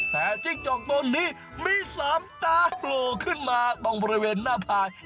แต่จิ้งจกตัวนี้มี๓ตาโผล่ขึ้นมาตรงบริเวณหน้าพาย